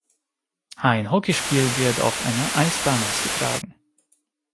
Ein Hockeyspiel wird auf einer Eisbahn ausgetragen.